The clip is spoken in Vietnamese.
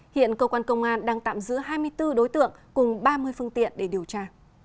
hiện cơ quan công an đang tạm giữ hai mươi bốn đối tượng cùng ba mươi phương tiện để điều tra